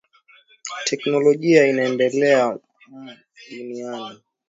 Teknolojia inaendelea mu dunia